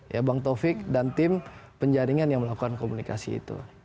ya bang taufik dan tim penjaringan yang melakukan komunikasi itu